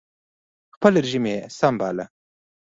خپل رژیم یې سم باله